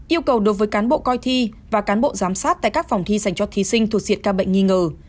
yêu cầu đối với cán bộ coi thi và cán bộ giám sát tại các phòng thi dành cho thí sinh thuộc diện ca bệnh nghi ngờ